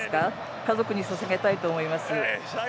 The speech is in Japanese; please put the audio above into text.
家族にささげたいと思います。